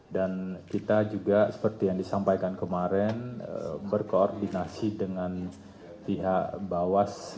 dan kita juga seperti yang disampaikan kemarin berkoordinasi dengan pihak bawas